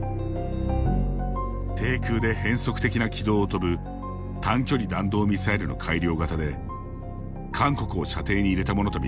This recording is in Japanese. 低空で変則的な軌道を飛ぶ短距離弾道ミサイルの改良型で韓国を射程に入れたものと見られています。